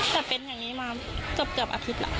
แต่เป็นอย่างนี้มาเกือบอาทิตย์แล้ว